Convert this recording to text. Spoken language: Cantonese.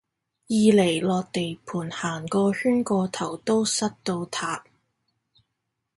二嚟落地盤行個圈個頭都濕到塌